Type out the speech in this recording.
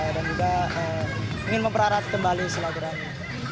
dan juga ingin memperarat kembali selagorannya